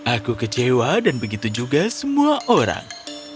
aku kecewa dan begitu juga semua orang